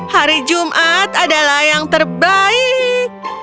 hari jumat adalah yang terbaik